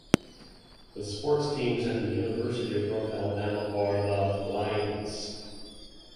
The sports teams at the University of North Alabama are the “Lions.”